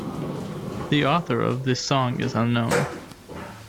The author of the song is unknown.